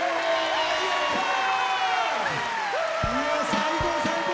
最高最高！